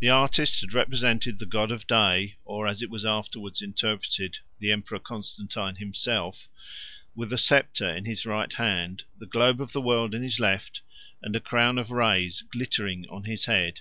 The artist had represented the god of day, or, as it was afterwards interpreted, the emperor Constantine himself, with a sceptre in his right hand, the globe of the world in his left, and a crown of rays glittering on his head.